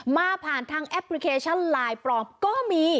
ผ่านทางแอปพลิเคชันไลน์ปลอมก็มี